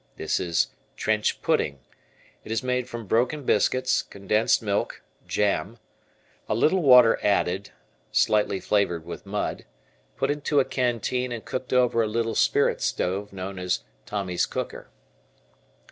This is "trench pudding." It is made from broken biscuits, condensed milk, jam a little water added, slightly flavored with mud put into a canteen and cooked over a little spirit stove known as "Tommy's cooker."